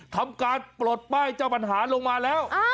ทำการปลดป้ายเจ้าปัญหาลงมาแล้ว